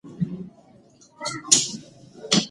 ما ته په دغو سترګو مه ګوره.